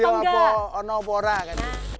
rudy apa onopora kan itu